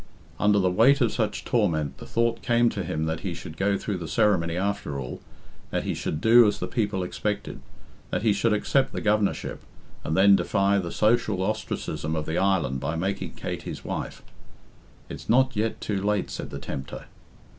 Under the weight of such torment the thought came to him that he should go through the ceremony after all, that he should do as the people expected, that he should accept the Governorship, and then defy the social ostracism of the island by making Kate his wife. "It's not yet too late," said the tempter.